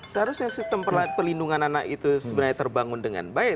seharusnya sistem perlindungan anak itu sebenarnya terbangun dengan baik